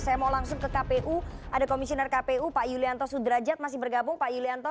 saya mau langsung ke kpu ada komisioner kpu pak yulianto sudrajat masih bergabung pak yulianto